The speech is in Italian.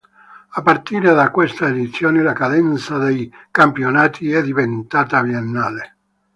A partire da questa edizione la cadenza dei campionati è diventata biennale.